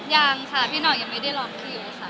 ยังค่ะพี่หน่อยังไม่ได้ลองคิวค่ะ